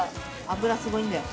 脂すごいんだよ。